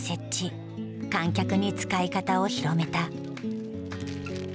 観客に使い方を広めた。